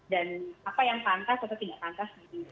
dan apa yang pantas atau tidak pantas